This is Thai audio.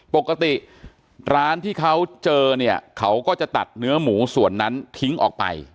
ปกติร้านที่เขาเจอเนี่ยเขาก็จะตัดเนื้อหมูส่วนนั้นทิ้งออกไป